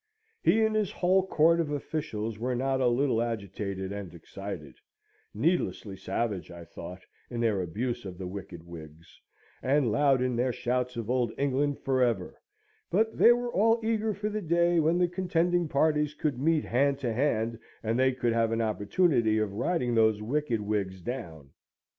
He and his whole Court of Officials were not a little agitated and excited; needlessly savage, I thought, in their abuse of the wicked Whigs, and loud in their shouts of Old England for ever; but they were all eager for the day when the contending parties could meet hand to hand, and they could have an opportunity of riding those wicked Whigs down.